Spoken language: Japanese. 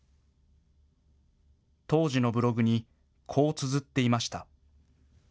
当時のブログにこうつづっていました。